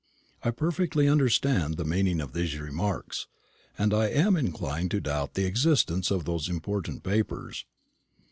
I perfectly understand the meaning of these remarks, and I am inclined to doubt the existence of those important papers.